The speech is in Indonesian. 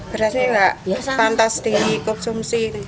beras ini gak pantas dikonsumsi